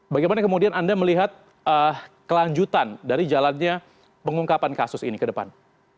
bagaimana kemudian anda melihat kelanjutan dari jalannya pengungkapan kasus ini ke depan